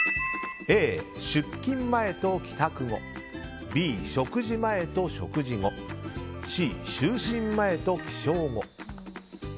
Ａ、出勤前と帰宅後Ｂ、食事前と食事後Ｃ、就寝前と起床後。